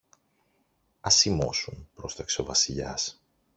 Ας σιμώσουν, πρόσταξε ο Βασιλιάς.